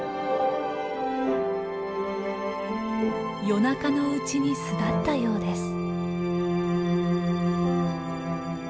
夜中のうちに巣立ったようです。